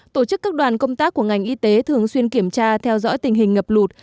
tổ chức các đoàn công tác của ngành y tế thường xuyên kiểm tra theo dõi tình hình ngập lụt